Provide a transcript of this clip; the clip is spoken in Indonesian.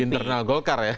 di internal golkar ya